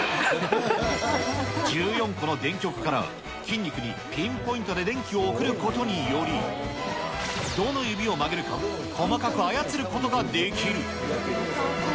１４個の電極から、筋肉にピンポイントで電気を送ることにより、どの指を曲げるか細かく操ることができる。